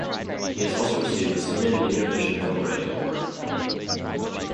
He has also received the Cine Media Vision Film Writing Award.